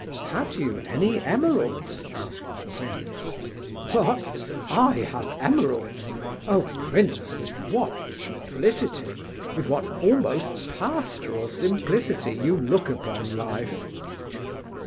"Had you any emeralds?" asked the prince. "What? I have emeralds? Oh, prince! with what simplicity, with what almost pastoral simplicity, you look upon life!"